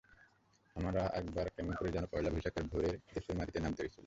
আমার একবার কেমন করে যেন পয়লা বৈশাখের ভোরেই দেশের মাটিতে নামতে হয়েছিল।